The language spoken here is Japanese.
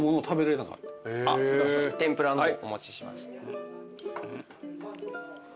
天ぷらの方お持ちしました。